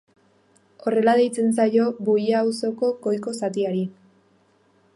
Horrela deitzen zaio Buia auzoko goiko zatiari.